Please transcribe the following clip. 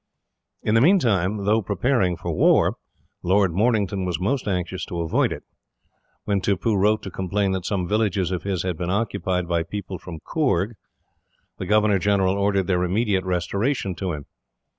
In the meantime, though preparing for war, Lord Mornington was most anxious to avoid it. When Tippoo wrote to complain that some villages of his had been occupied by people from Coorg, the governor general ordered their immediate restoration to him.